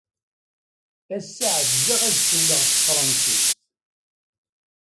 Ass-a ɛedzeɣ ad ssiwleɣ s tefṛensist.